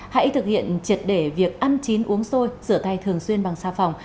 hãy thực hiện triệt để việc ăn chín uống xôi rửa tay thường xuyên bằng xa phòng